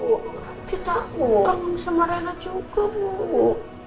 kita kangen sama reina juga bu